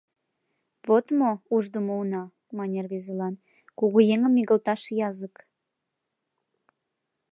— Вот мо, уждымо уна, — мане рвезылан, — кугыеҥым игылташ язык.